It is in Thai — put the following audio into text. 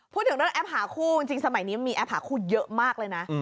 พูดถึงเรื่องแอปหาคู่จริงสมัยนี้มีแอปหาคู่เยอะมากเลยนะ